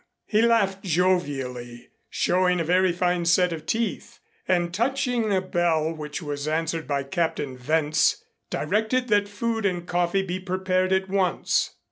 He laughed jovially, showing a very fine set of teeth, and, touching a bell which was answered by Captain Wentz, directed that food and coffee be prepared at once.